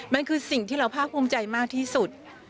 มันคือสิ่งที่เราภาคภูมิใจมากที่สุด